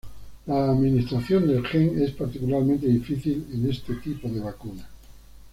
La administración del gen es particularmente difícil en este tipo de vacuna.